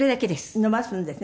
伸ばすんですね